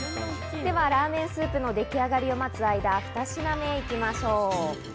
ではラーメンスープのでき上がりを待つ間、２品目にいきましょう。